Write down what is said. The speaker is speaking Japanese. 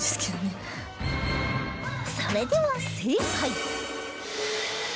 それでは正解